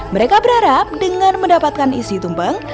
mereka berharap dengan mendapatkan isi tumpeng